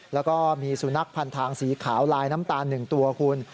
แล้วก็มีสุนัขพันทางสีขาวลายน้ำตาล๑ตัวคุณ